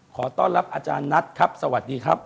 ขอต้อนรับอาจารย์นัทครับสวัสดีครับ